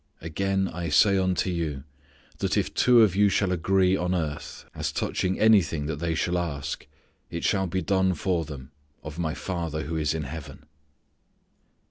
"Again I say unto you, that if two of you shall agree on earth, as touching anything that they Shall ask, it shall be done for them of My Father who is in heaven."